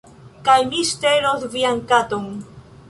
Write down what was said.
Kaj mi ŝtelos vian katon